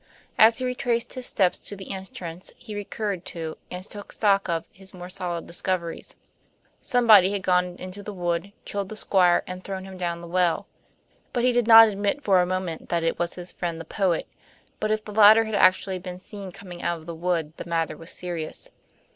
As he retraced his steps to the entrance, he recurred to, and took stock of, his more solid discoveries. Somebody had gone into the wood, killed the Squire and thrown him down the well, but he did not admit for a moment that it was his friend the poet; but if the latter had actually been seen coming out of the wood the matter was serious.